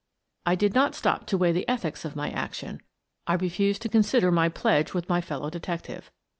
I did not stop to weigh the ethics of my action ; I refused to consider my pledge with my fellow detective.